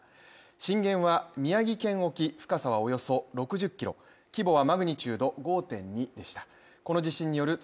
震源は宮城県沖、深さはおよそ６０ｋｍ規模はマグニチュード５．２でした。